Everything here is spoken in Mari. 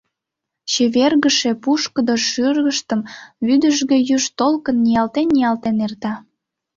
Чевергыше пушкыдо шӱргыштым вӱдыжгӧ юж толкын ниялтен-ниялтен эрта.